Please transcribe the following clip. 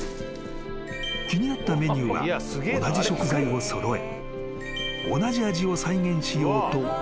［気になったメニューは同じ食材を揃え同じ味を再現しようと研究］